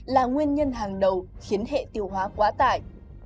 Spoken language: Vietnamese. là nguyên nhân hàng đầu khiến hệ tiêu hóa quá tải